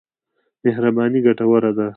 مهرباني ګټوره ده.